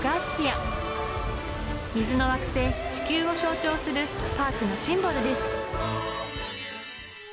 水の惑星地球を象徴するパークのシンボルです。